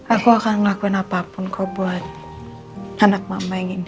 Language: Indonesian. aku akan ngelakuin apapun kau buat anak mama yang ini